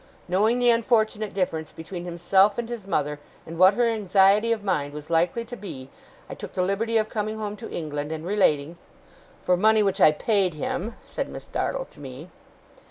Knowing the unfortunate difference between himself and his mother, and what her anxiety of mind was likely to be, I took the liberty of coming home to England, and relating ' 'For money which I paid him,' said Miss Dartle to me.